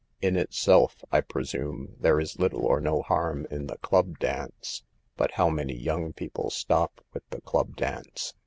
In itself I presume, there is little or no harm in the club dance. But how many young people stop with the club dance